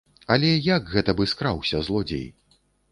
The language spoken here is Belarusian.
Але як гэта бы скраўся, злодзей?